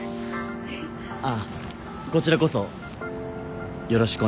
あっこちらこそよろしくお願いします。